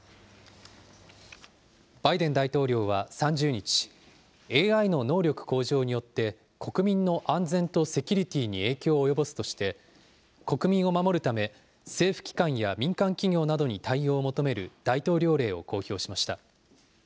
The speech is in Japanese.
バイデン大統領は３０日、ＡＩの能力向上によって国民の安全とセキュリティーに影響を及ぼすとして、国民を守るため、政府機関や民間企業などに対応を求める大統領令を公表しました。